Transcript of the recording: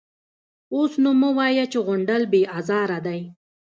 _اوس نو مه وايه چې غونډل بې ازاره دی.